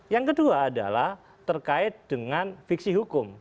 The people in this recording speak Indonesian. yang kedua adalah terkait dengan fiksi hukum